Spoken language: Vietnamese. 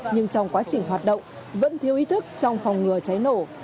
nhưng trong quá trình hoạt động vẫn thiếu ý thức trong phòng ngừa cháy nổ